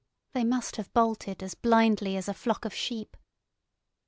They must have bolted as blindly as a flock of sheep.